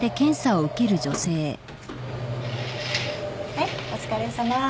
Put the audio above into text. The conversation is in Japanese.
はいお疲れさま。